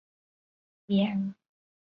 长门裕之是日本的演员。